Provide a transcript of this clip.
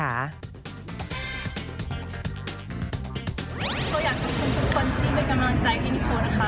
ก็อยากขอบคุณทุกคนที่เป็นกำลังใจให้นิโคนะคะ